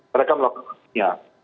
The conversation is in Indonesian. mereka melakukan penyelidikannya